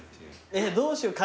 えっどうしよう。